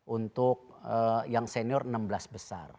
untuk yang senior enam belas besar